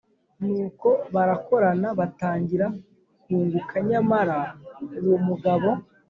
Nuko barakorana batangira kunguka. Nyamara uwo mugabo